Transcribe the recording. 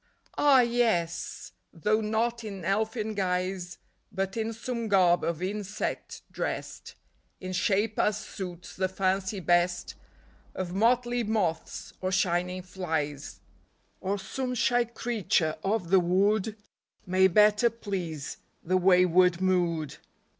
Ah, yes ! though not in elfin guise, But in some garb of insect dressed, In shape as suits the fancy best, Of motley moths or shining flies ; THE FAIRIES' MASQUERADE. 33 Or some shy creature of the wood May better please the wayward mood.